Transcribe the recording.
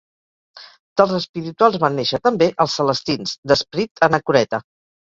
Dels espirituals van néixer també els celestins, d'esperit anacoreta.